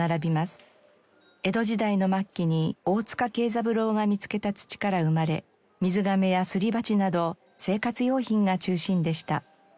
江戸時代の末期に大塚啓三郎が見つけた土から生まれ水がめやすり鉢など生活用品が中心でした。